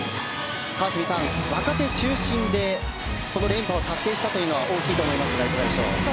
川澄さん、若手中心で連覇を達成したというのは大きいと思いますがいかがでしょう？